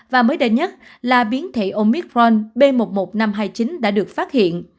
và mới đây nhất là biến thể omicron b một một năm hai mươi chín đã được phát hiện